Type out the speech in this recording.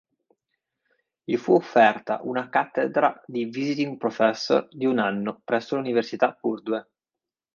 Gli fu offerta una cattedra di "visiting professor" di un anno presso l'Università Purdue.